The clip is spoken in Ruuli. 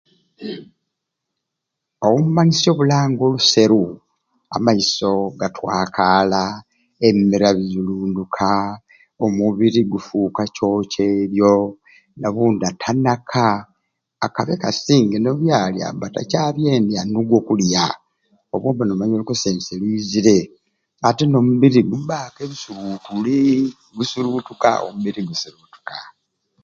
Obumanyisyo obulanga ebiseeru amaiso gatwakala, ebimiira bizirunduka, omubiri gufuka kyokyeeryo, nobundi atanaka kakabbe kasinge nebyalya aba takyabyendya anugwa okulya obwombe nomanya olunkusense lwiziire ate nomubiri gubaku ebisurutuule gusurutuuka omubiri gusurutuuka.